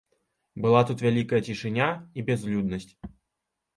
Была тут вялікая цішыня і бязлюднасць.